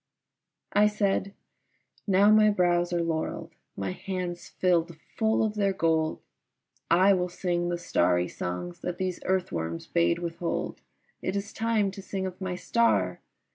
I said, "Now my brows are laurelled, my hands filled full of their gold, I will sing the starry songs that these earthworms bade withhold. It is time to sing of my star!"